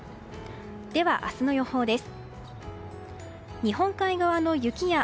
では、明日の予報です。